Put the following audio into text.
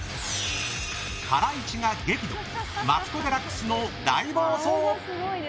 ハライチが激怒マツコ・デラックスの大暴走。